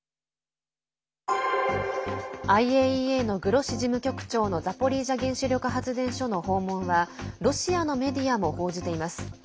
ＩＡＥＡのグロッシ事務局長のザポリージャ原子力発電所の訪問はロシアのメディアも報じています。